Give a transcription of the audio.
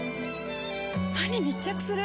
歯に密着する！